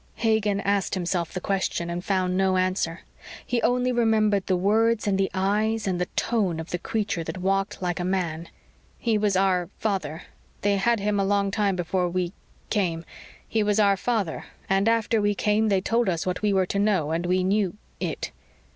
_ Hagen asked himself the question and found no answer. He only remembered the words and the eyes and the tone of the creature that walked like a man ... "He was our father. They had him a long time before we came. He was our father, and after we came they told us what we were to know and we knew it."